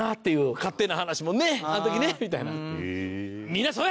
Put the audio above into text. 勝手な話もねあの時ねみたいな。